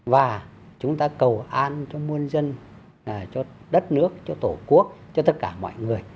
và chúng ta cầu an cho muôn dân cho đất nước cho tổ quốc cho tất cả mọi người